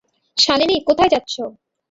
শালিনী, কোথায় যাচ্ছ?